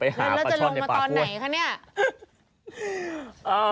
ไปหาปัชช่อนในปากปวดแล้วจะลงมาตอนไหนคะเนี่ย